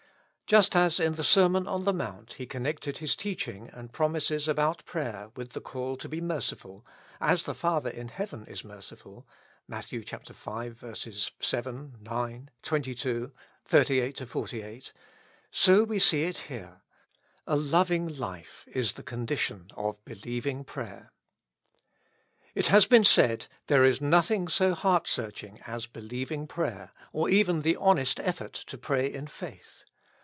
Just as in the Sermon on the Mount He connected his teaching and promises about prayer with the call to be merciful, as the Father in heaven is merciful (Matt. v. 7, 9, 22, 38 48), so we see it here ; a loving life is the condition of believing prayer. It has been said : There is nothing so heart search ing as believing prayer, or even the honest effort to pray in faith.